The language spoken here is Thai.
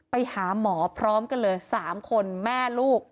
ไปหาหมอพร้อมกันเลย๓คนแม่ลูก